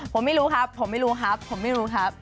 ผมไม่รู้ครับผมไม่รู้ครับผมไม่รู้ครับ